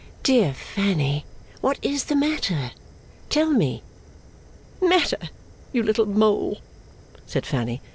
'Dear Fanny, what is the matter? Tell me.' 'Matter, you little Mole,' said Fanny.